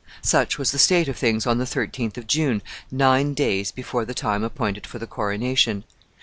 Such was the state of things on the 13th of June, nine days before the time appointed for the coronation.